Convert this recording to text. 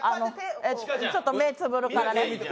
ちょっと目をつむるからね